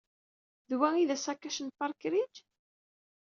D wa ay d asakac n Park Ridge?